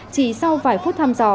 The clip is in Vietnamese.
chỉ sau vài phút thăm dò